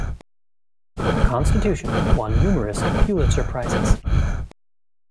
"The Constitution" won numerous Pulitzer Prizes.